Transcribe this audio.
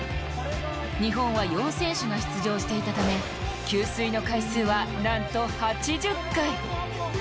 日本は４選手が出場していたため給水の回数はなんと８０回。